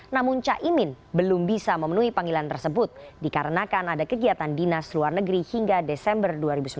namun caimin belum bisa memenuhi panggilan tersebut dikarenakan ada kegiatan dinas luar negeri hingga desember dua ribu sembilan belas